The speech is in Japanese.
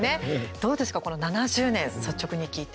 どうですか、この７０年率直に聞いて。